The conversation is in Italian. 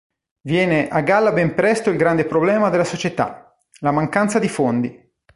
Viene a galla ben presto il grande problema della società, la mancanza di fondi.